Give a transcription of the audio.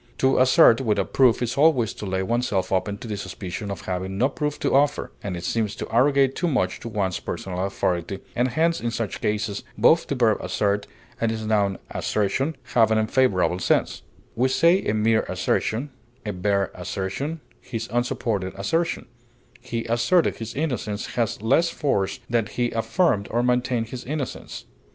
To assert without proof is always to lay oneself open to the suspicion of having no proof to offer, and seems to arrogate too much to one's personal authority, and hence in such cases both the verb assert and its noun assertion have an unfavorable sense; we say a mere assertion, a bare assertion, his unsupported assertion; he asserted his innocence has less force than he affirmed or maintained his innocence.